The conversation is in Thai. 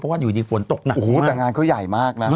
เพราะว่าอยู่ดีฝนตกหนักมาก